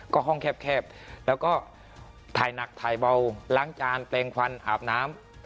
ก็ห้องแคบแล้วก็ถ่ายหนักถ่ายเบาล้างจานแปลงควันอาบน้ำ